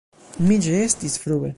Mi ĉeestis frue.